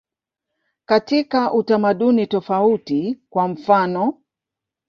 Katika utamaduni tofauti, kwa mfanof.